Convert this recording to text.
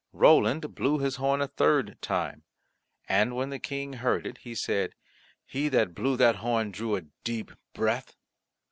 Roland blew his horn a third time, and when the King heard it he said, "He that blew that horn drew a deep breath."